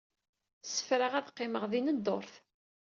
Ssefraɣ ad qqimeɣ din dduṛt.